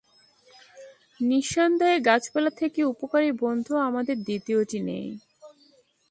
নিঃসন্দেহে গাছপালা থেকে উপকারী বন্ধু আমাদের দ্বিতীয়টি নেই।